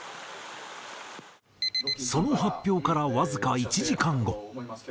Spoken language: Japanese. その発表からわずか１時間後。